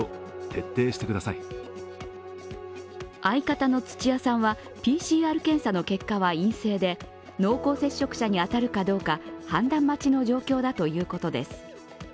相方の土屋さんはＰＣＲ検査の結果は陰性で濃厚接触者に当たるかどうか、判断待ちの状況だということです。